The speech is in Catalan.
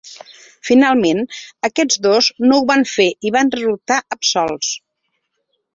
Finalment, aquests dos no ho van fer i van resultar absolts.